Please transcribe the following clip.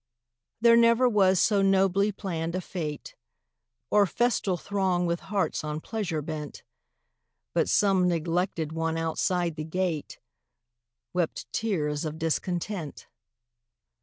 There never was so nobly planned a fête, Or festal throng with hearts on pleasure bent, But some neglected one outside the gate Wept tears of discontent.